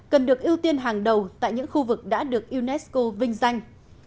cần được ưu tiên hàng đầu tại những khu vực đã được unesco vinh danh